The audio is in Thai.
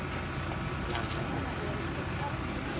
สุดท้ายสุดท้ายสุดท้าย